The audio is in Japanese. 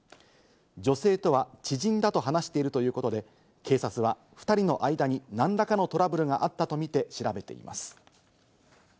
女性とは知人だと話しているということで、警察は２人の間に何らかのトラブルがあったとみて調べています。